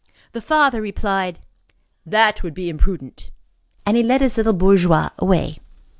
The father replied: "That would be imprudent." And he led his little bourgeois away.